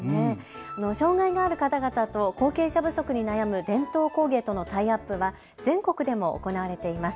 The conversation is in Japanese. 障害がある方々と後継者不足に悩む伝統工芸とのタイアップは全国でも行われています。